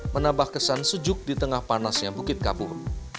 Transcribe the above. menambah kesan sejuk di tengah panasnya bukit kapur